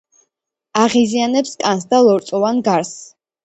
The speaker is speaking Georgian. აღიზიანებს კანს და ლორწოვან გარს.